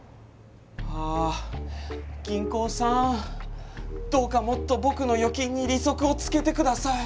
はあ銀行さんどうかもっと僕の預金に利息を付けてください。